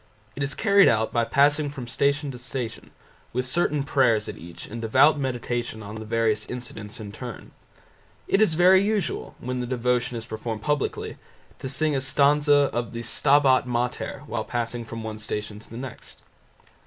It is carried out by passing from Station to Station, with certain prayers at each and devout meditation on the various incidents in turn. It is very usual, when the devotion is performed publicly, to sing a stanza of the "Stabat Mater" while passing from one Station to the next.